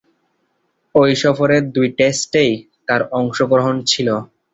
ঐ সফরের দুই টেস্টেই তার অংশগ্রহণ ছিল।